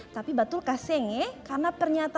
tapi batul kasing ya